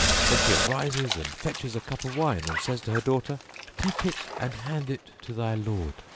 Then she rises and fetches a cup of wine; and says to her daughter, 'Take it and hand it to thy lord.'